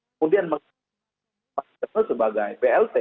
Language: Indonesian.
kemudian mengambil pak ketengah sebagai plt